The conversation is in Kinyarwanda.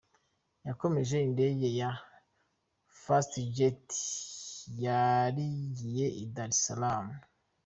Yagonze indege ya Fast Jet yarigiye i Dar es salaam.